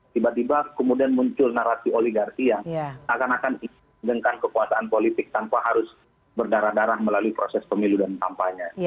tiba tiba kemudian muncul narasi oligarki yang akan akan menggengkan kekuasaan politik tanpa harus berdarah darah melalui proses pemilu dan kampanye